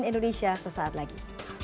indonesia sesaat lagi